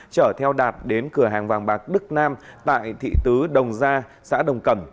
chở theo đạt đến cửa hàng vàng bạc đức nam tại thị tứ đồng gia xã đồng cẩm